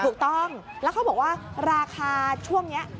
ถูกต้องแล้วเขาบอกว่าราคาช่วงนี้